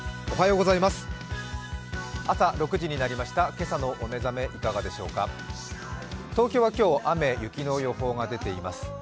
おはようございます。